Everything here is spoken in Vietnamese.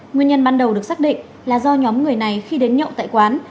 nguyên nhân ban đầu được xác định là do nhóm người này khi đến nhậu tại quán